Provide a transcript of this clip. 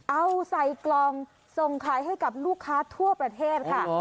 เอาใส่กล่องส่งขายให้กับลูกค้าทั่วประเทศค่ะ